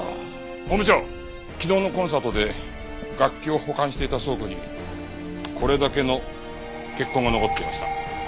本部長昨日のコンサートで楽器を保管していた倉庫にこれだけの血痕が残っていました。